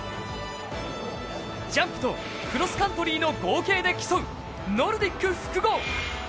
ジャンプとクロスカントリーの合計で競うノルディック複合。